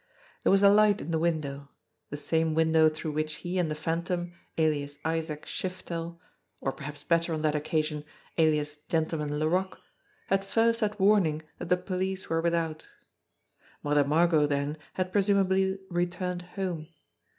There was a light in the window, the same window through which he and the Phantom, alias Isaac 8* JIMMIE DALE PAYS A VISIT 85 Shiftel, or perhaps better on that occasion, alias Gentleman Laroque, had first had warning that the police were without, Mother Margot, then, had presumably returned home.